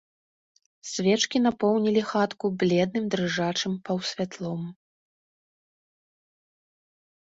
Свечкі напоўнілі хатку бледным дрыжачым паўсвятлом.